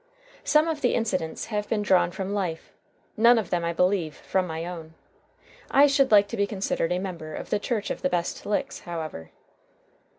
Some of the incidents have been drawn from life; none of them, I believe, from my own. I should like to be considered a member of the Church of the Best Licks, however.